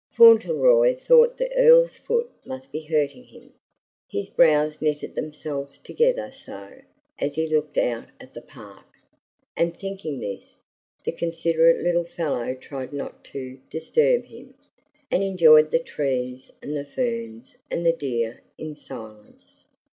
Fauntleroy thought the Earl's foot must be hurting him, his brows knitted themselves together so, as he looked out at the park; and thinking this, the considerate little fellow tried not to disturb him, and enjoyed the trees and the ferns and the deer in silence.